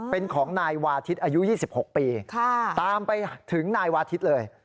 เป็นของนายวาทิศอายุ๒๖ปีตามไปถึงนายวาทิศเลย